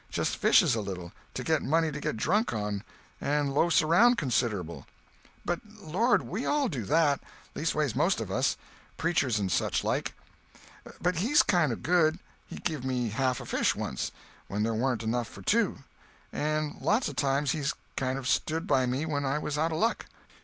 Just fishes a little, to get money to get drunk on—and loafs around considerable; but lord, we all do that—leastways most of us—preachers and such like. But he's kind of good—he give me half a fish, once, when there warn't enough for two; and lots of times he's kind of stood by me when I was out of luck."